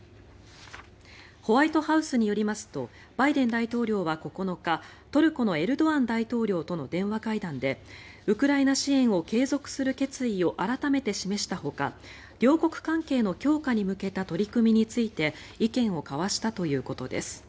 ホワイトハウスによりますとバイデン大統領は９日トルコのエルドアン大統領との電話会談でウクライナ支援を継続する決意を改めて示したほか両国関係の強化に向けた取り組みについて意見を交わしたということです。